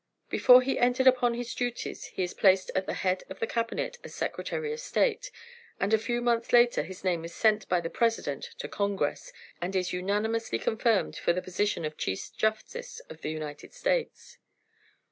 Before he entered upon his duties he is placed at the head of the Cabinet as Secretary of State, and a few months later his name is sent by the President to Congress, and is unanimously confirmed for the position of Chief Justice of the United States.